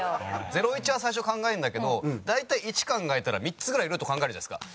０１は最初考えるんだけど大体１考えたら３つぐらいルート考えるじゃないですか。